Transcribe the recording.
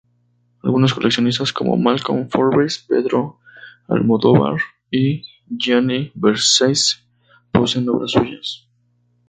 Algunos coleccionistas como Malcolm Forbes, Pedro Almodóvar o Gianni Versace poseen obras suyas.